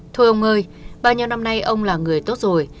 thưa ông ơi bao nhiêu năm nay ông là người tốt rồi